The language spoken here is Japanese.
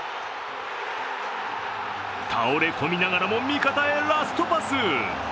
倒れ込みながらも味方へラストパス。